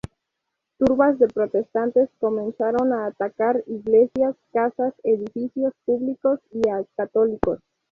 Turbas de protestantes comenzaron a atacar iglesias, casas, edificios públicos y a católicos.